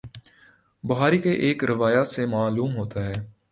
بخاری کی ایک روایت سے معلوم ہوتا ہے